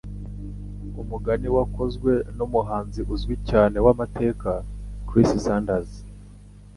Umugani wakozwe numuhanzi uzwi cyane wamateka Chris Sanders.